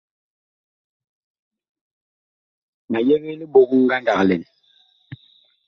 Ma yegee libok ngandag lɛn.